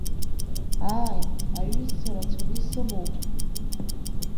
Ааи, аҩызцәа рацәаны исымоуп.